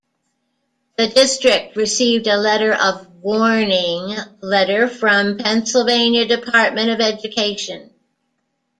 The district received a letter of "Warning" letter from the Pennsylvania Department of Education.